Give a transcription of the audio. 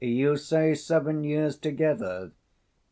You say, seven years together?